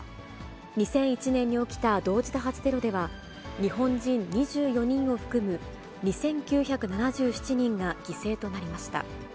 ２００１年に起きた同時多発テロでは、日本人２４人を含む２９７７人が犠牲となりました。